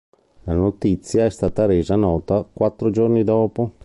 La notizia è stata resa nota quattro giorni dopo.